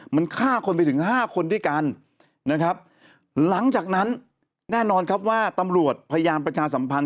มันฆ่าคนไปถึง๕คนด้วยกันหลังจากนั้นแน่นอนว่าตำรวจพยานประชาสัมพันธ์